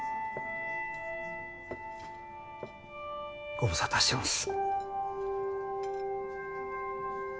ご無沙汰してます。